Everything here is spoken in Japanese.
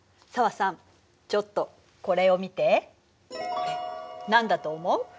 これ何だと思う？